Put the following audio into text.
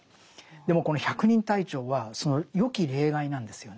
でもこの百人隊長はそのよき例外なんですよね。